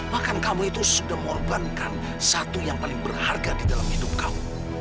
bahkan kamu itu sudah mengorbankan satu yang paling berharga di dalam hidup kamu